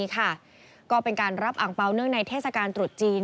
ก็เป็นการรับอังเปล่าเนื่องในเทศกาลตรุษจีน